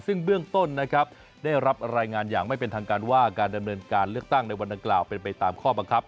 ซึ่งเบื้องต้นนะครับได้รับรายงานอย่างไม่เป็นทางการว่าการดำเนินการเลือกตั้งในวันดังกล่าวเป็นไปตามข้อบังคับ